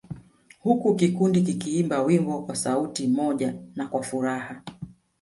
Huku kikundi kikiimba wimbo kwa sauti moja na kwa furaha